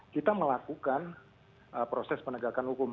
kita melakukan proses penegakan hukum